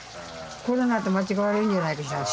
コロナと間違われるんじゃないかしら。